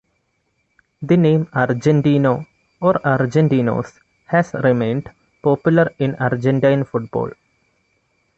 The name Argentino or Argentinos has remained popular in Argentine football.